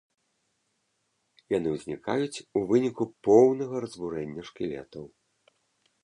Яны ўзнікаюць у выніку поўнага разбурэння шкілетаў.